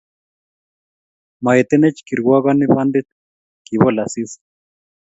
Moetenech kirwokoni bondit, kibol Asisi